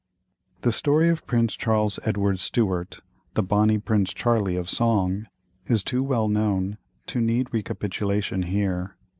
The story of Prince Charles Edward Stuart, the "bonnie Prince Charlie" of song, is too well known to need recapitulation here.